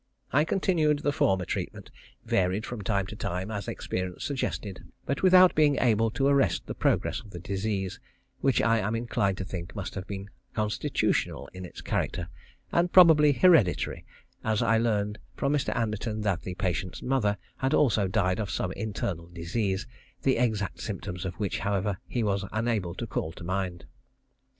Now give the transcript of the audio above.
I continued the former treatment, varied from time to time as experience suggested, but without being able to arrest the progress of the disease, which I am inclined to think must have been constitutional in its character, and probably hereditary, as I learned from Mr. Anderton that the patient's mother had also died of some internal disease, the exact symptoms of which, however, he was unable to call to mind.